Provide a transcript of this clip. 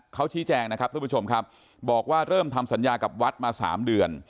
เขาชี้แจงนะครับทุกผู้ชมครับบอกว่าเริ่มทำสัญญากับวัดมา๓เดือน